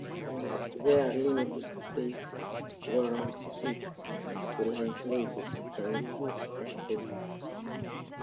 Where limited space warrants it, two-line plates can be used on a vehicle.